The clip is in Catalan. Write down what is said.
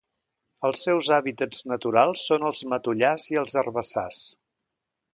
Els seus hàbitats naturals són els matollars i els herbassars.